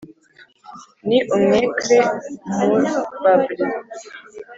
ni umweкre mu baвri